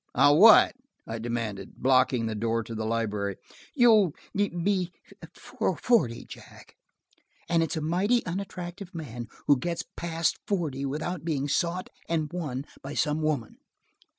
"I'll what?" I demanded, blocking the door to the library. "You'll be forty, Jack, and it's a mighty unattractive man who gets past forty without being sought and won by some woman.